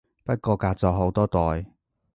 不過隔咗好多代